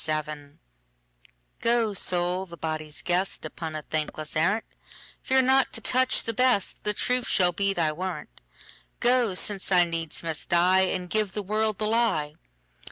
The Lie GO, Soul, the body's guest, Upon a thankless arrant:Fear not to touch the best; The truth shall be thy warrant:Go, since I needs must die, And give the world the lie.